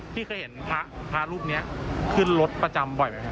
พี่เคยเห็นพระรูปนี้ขึ้นรถประจำบ่อยไหมครับ